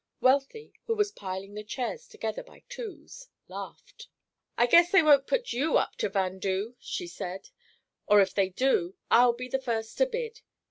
Wealthy, who was piling the chairs together by twos, laughed. "I guess they won't put you up to 'vandoo,'" she said; "or, if they do, I'll be the first to bid.